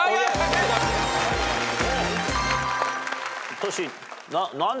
トシ。